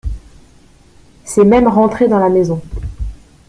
C’est même rentré dans la maison.